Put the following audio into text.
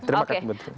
terima kasih betul